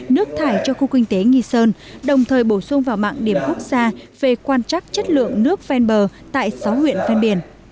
nước thải cho khu kinh tế nghi sơn đồng thời bổ sung vào mạng điểm quốc gia về quan trắc chất lượng nước ven bờ tại sáu huyện ven biển